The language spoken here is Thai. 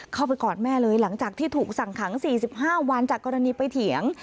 เข้าไปกอดแม่เลยหลังจากที่ถูกสั่งขังสี่สิบห้าวานจากกรณีไปเหี่ยง